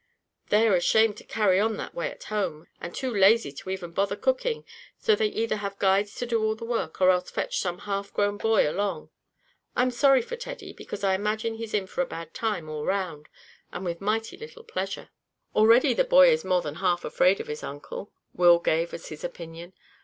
They are ashamed to carry on that way at home, and too lazy to even bother cooking, so they either have guides to do all the work, or else fetch some half grown boy along. I'm sorry for Teddy, because I imagine he's in for a bad time all around, and with mighty little pleasure." "Already the boy is more than half afraid of his uncle," Will gave as his opinion.